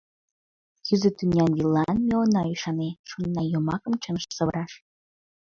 Юзо тӱнян вийлан ме она ӱшане. Шонена йомакым чыныш савыраш.